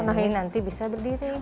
lima ini nanti bisa berdiri